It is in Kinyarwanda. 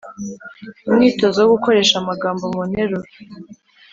umwitozo wo gukoresha amagambo mu nteruro